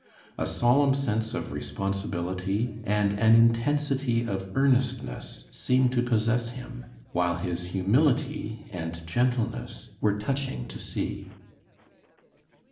A solemn sense of responsibility and an intensity of earnestness seemed to possess him, while his humility and gentleness were touching to see.